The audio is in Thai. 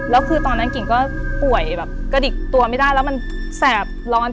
แล้วคือตอนนั้นกิ่งก็ป่วยแบบกระดิกตัวไม่ได้แล้วมันแสบร้อน